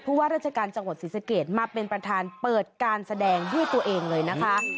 ว่าราชการจังหวัดศรีสะเกดมาเป็นประธานเปิดการแสดงด้วยตัวเองเลยนะคะ